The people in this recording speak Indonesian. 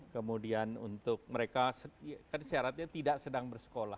kemudian untuk mereka kan syaratnya tidak sedang bersekolah